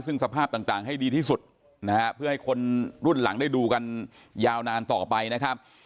ซึ่งสภาพต่างให้ดีที่สุดนะฮะเพื่อให้คนรุ่นหลังได้ดูกันยาวนานต่อไปนะครับ